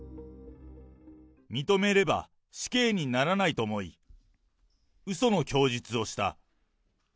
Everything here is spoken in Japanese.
認めれば死刑にならないと思い、うその供述をした。